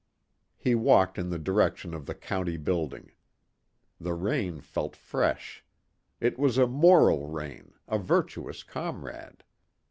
He walked in the direction of the County Building. The rain felt fresh. It was a moral rain, a virtuous comrade.